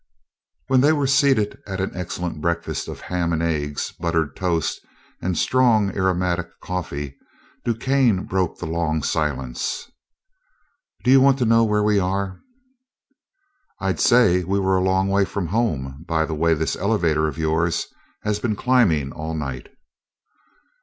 When they were seated at an excellent breakfast of ham and eggs, buttered toast, and strong, aromatic coffee, DuQuesne broke the long silence. "Do you want to know where we are?" "I'd say we were a long way from home, by the way this elevator of yours has been climbing all night."